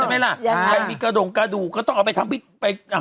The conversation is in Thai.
ใช่ไหมล่ะใครมีกระด่งกระดูกก็ต้องเอาไปทำวิทย์ไปอ่า